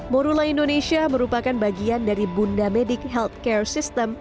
morula indonesia merupakan bagian dari bunda medik healthcare system